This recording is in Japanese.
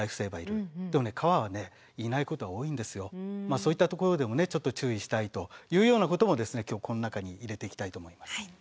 そういったところでもちょっと注意したいというようなことも今日この中に入れていきたいと思います。